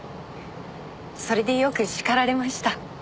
それでよく叱られました。